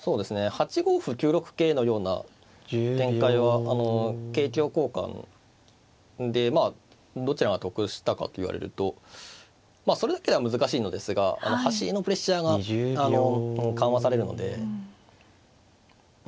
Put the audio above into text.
８五歩９六桂のような展開は桂香交換でまあどちらが得したかと言われるとそれだけでは難しいのですが端のプレッシャーが緩和されるのでまあ